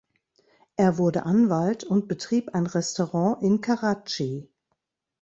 Er wurde Anwalt und betrieb ein Restaurant in Karachi.